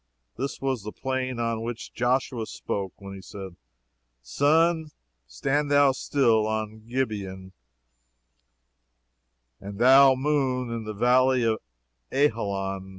This was the plain of which Joshua spoke when he said, "Sun, stand thou still on Gibeon, and thou moon in the valley of Ajalon."